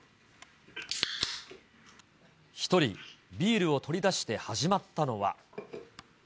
１人、ビールを取り出して始まったのは。